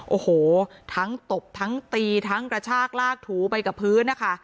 โอ้โหทั้งตบทั้งตีทั้งกระชากลากถูไปกับพื้นนะคะ